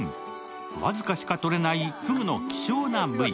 僅かしかとれないふぐの希少な部位。